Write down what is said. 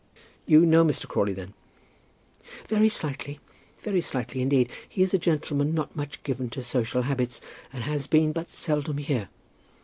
"You know Mr. Crawley, then?" "Very slightly, very slightly indeed. He is a gentleman not much given to social habits, and has been but seldom here.